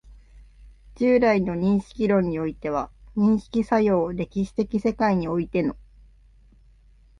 従来の認識論においては、認識作用を歴史的世界においての